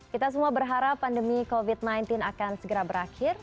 kita semua berharap pandemi covid sembilan belas akan segera berakhir